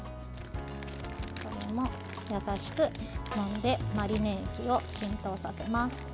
これも優しくもんでマリネ液を浸透させます。